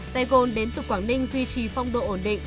tài gồm đến từ quảng ninh duy trì phong độ ổn định